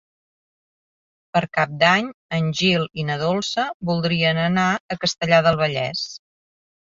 Per Cap d'Any en Gil i na Dolça voldrien anar a Castellar del Vallès.